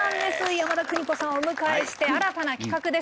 山田邦子さんをお迎えして新たな企画です。